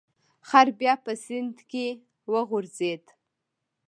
خر بیا په سیند کې وغورځید.